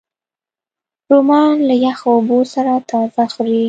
رومیان له یخو اوبو سره تازه خوري